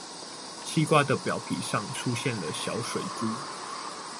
西瓜的表皮上出現了小水珠